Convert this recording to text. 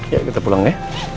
yuk kita pulang ya